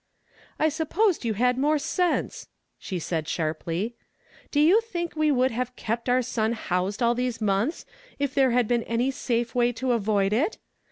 ''I supposed you liad more sense!" slie said sharply. "Do you think we would have kept our sou housed all these months if there had been any safe way to avoid it?